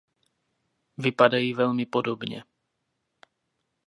Vypadají velmi podobně.